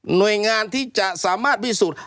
หน่วยงานที่จะสามารถพิสูจน์